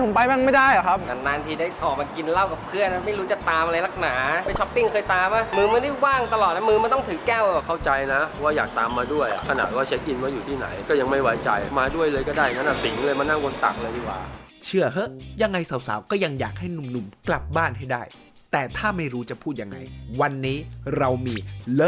เหตุงานน่ะสินเง่นมานั่งบนสั่งเลยดีหว่าเชื่อเข้ายังไงสาวก็ยังอยากให้หนุ่มกลับบ้านให้ได้แต่ถ้าไม่รู้จะพูดยังไงวันนี้เรามี